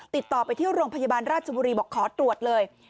ติดต่อไปที่โรงพยาบาลราชบุรีบอกขอตรวจเลย